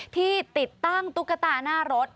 ที่ติดตั้งตุ๊กตาหน้ารถ